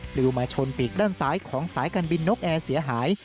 ลิวมาชนปีกด้านซ้ายของสายการบินนกแอร์เสียหาย